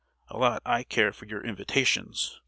A lot I care for your invitations.